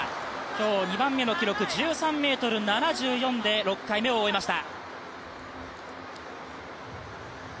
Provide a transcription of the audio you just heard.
今日、２番目の記録、１３ｍ７４で６回目を終えました。